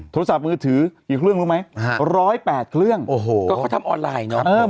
โทรศัพท์มือถืออีกเครื่องรู้ไหม๑๐๘เครื่องก็เขาทำออนไลน์เนอะ